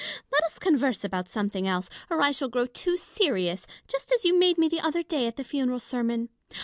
Let us converse about something else, or I shall grow too serious, just as you made me the other day at the funeral sermon.